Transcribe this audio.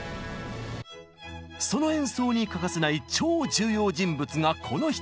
その演奏に欠かせない超重要人物がこの人。